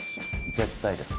絶対ですか？